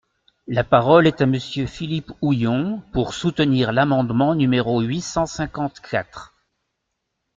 La parole est à Monsieur Philippe Houillon, pour soutenir l’amendement numéro huit cent cinquante-quatre.